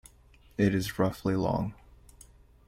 It is roughly long.